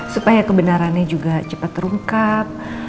supaya kebenarannya juga cepat terungkap